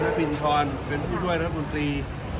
ท่านพินทรพิกธรเป็นผู้ท่วยรัฐเลียรัฐฯบุนตรี